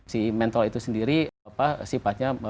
si mental itu sendiri sifatnya